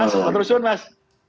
mas terus terusan mas